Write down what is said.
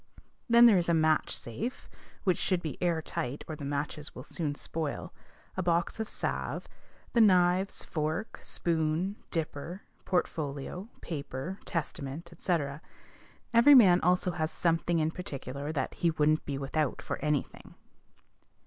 Then there is a match safe (which should be air tight, or the matches will soon spoil), a box of salve, the knives, fork, spoon, dipper, portfolio, paper, Testament, &c. Every man also has something in particular that "he wouldn't be without for any thing."